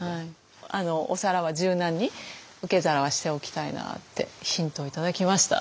お皿は柔軟に受け皿はしておきたいなってヒントを頂きました。